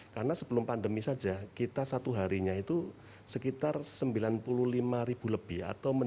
karena sebelum pandemi saja kita satu harinya itu sekitar sembilan puluh lima ribu lebih